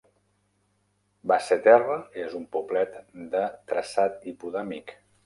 Basseterre és un poblet de traçat hipodàmic.